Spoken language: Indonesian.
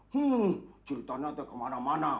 hmm ceritanya udah kemana mana